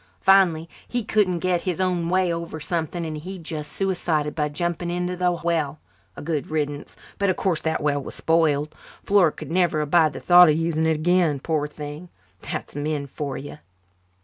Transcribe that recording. Finally he couldn't get his own way over something and he just suicided by jumping into the well. A good riddance but of course the well was spoiled. Flora could never abide the thought of using it again, poor thing. That's men for you.